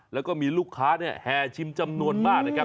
แล้วก็มีลูกค้าแห่ชิมจำนวนมากนะครับ